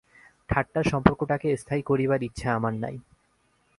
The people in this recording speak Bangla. ঠাট্টার সম্পর্কটাকে স্থায়ী করিবার ইচ্ছা আমার নাই।